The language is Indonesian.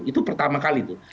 itu pertama kali itu